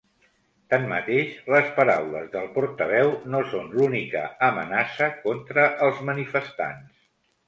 Tanmateix, les paraules del portaveu no són l’única amenaça contra els manifestants.